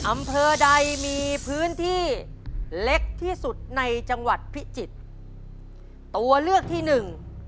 อำเภอใดมีพื้นที่เล็กที่สุดในจังหวัดพิจิตรตัวเลือกที่หนึ่ง